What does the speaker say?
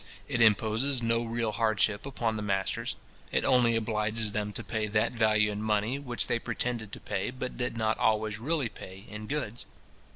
It imposes no real hardship upon the masters. It only obliges them to pay that value in money, which they pretended to pay, but did not always really pay, in goods.